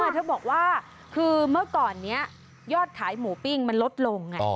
เธอบอกว่าคือเมื่อก่อนนี้ยอดขายหมูปิ้งมันลดลง